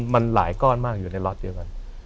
มันหลายก้อนมากอยู่ในล็อตเดียวกัน